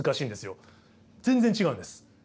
全然違うんです。